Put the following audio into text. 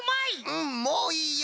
うんもういいよ！